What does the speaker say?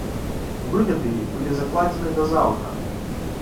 Выведы былі адкладзены да заўтра.